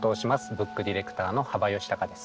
ブックディレクターの幅允孝です。